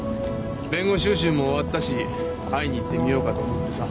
弁護修習も終わったし会いに行ってみようかと思ってさ。